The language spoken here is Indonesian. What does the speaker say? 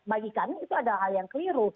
bagi kami itu ada hal yang keliru